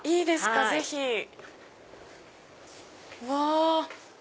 ぜひ！うわ！